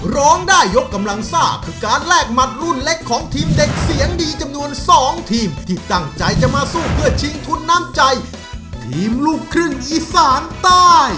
ร้องได้ยกกำลังซ่าคือการแลกหมัดรุ่นเล็กของทีมเด็กเสียงดีจำนวน๒ทีมที่ตั้งใจจะมาสู้เพื่อชิงทุนน้ำใจทีมลูกครึ่งอีสานใต้